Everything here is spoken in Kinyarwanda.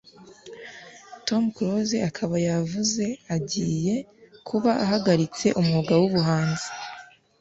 Tom close akaba yavuze agiye kuba ahagaritse umwuga wubuhanzi